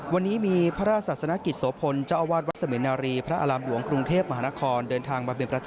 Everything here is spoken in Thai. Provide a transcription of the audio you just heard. วันนี้มีพระศาสนกิจโศพลเจ้าอวาดวัดสมินารีพระอลามหลวงกรุงเทพมหานคร